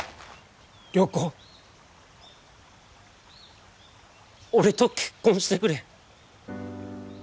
良子俺と結婚してくれ。